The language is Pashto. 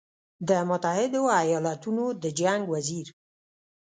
د متحدو ایالتونو د جنګ وزیر